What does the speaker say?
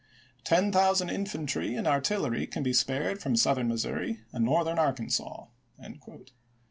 Ten thousand infantry and artillery can be spared from Southern Missouri and North voi. xxii., ... Part II., ern Arkansas."